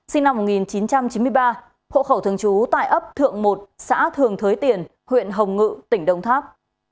sinh năm một nghìn chín trăm chín mươi ba hộ khẩu thường trú tại ấp thượng một xã thường thới tiền huyện hồng ngự tỉnh đông tháp